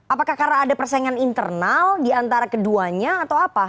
apakah karena ada persaingan internal diantara keduanya atau apa